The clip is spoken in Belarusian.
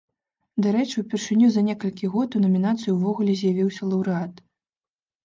Дарэчы, упершыню за некалькі год у намінацыі ўвогуле з'явіўся лаўрэат.